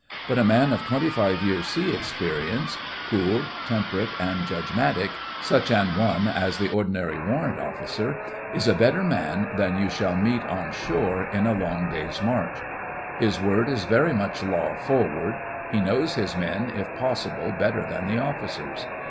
But a man of twenty five years' sea experience—cool, temperate, and judgmatic, such an one as the ordinary Warrant Officer—is a better man than you shall meet on shore in a long day's march. His word is very much law forward. He knows his men, if possible, better than the officers.